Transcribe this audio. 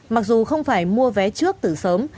mặc dù không phải mua vé trước từ sớm